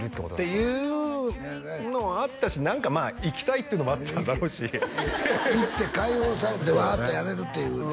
っていうのもあったし何かまあ行きたいっていうのもあったんだろうし行って解放されてワーッとやれるっていうね